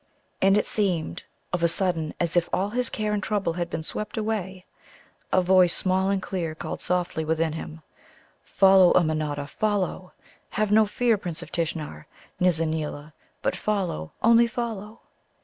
And it seemed of a sudden as if all his care and trouble had been swept away. A voice small and clear called softly within him: "Follow, Ummanodda, follow! Have now no fear, Prince of Tishnar, Nizza neela; but follow, only follow!"